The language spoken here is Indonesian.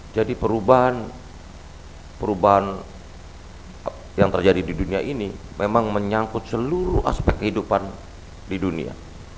jadi perubahan yang terjadi di dunia ini memang menyangkut seluruh aspek kehidupan di dunia